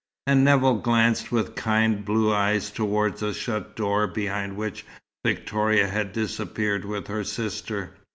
And Nevill glanced with kind blue eyes toward the shut door behind which Victoria had disappeared with her sister.